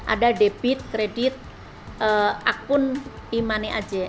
ada debit kredit akun e money aja